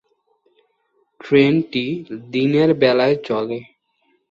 ট্রেনটি দিনের বেলায় চলে।